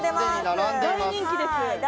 大人気です。